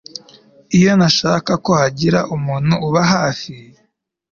iyo ntashaka ko hagira umuntu uba hafi